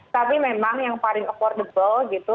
tapi memang yang paling affordable gitu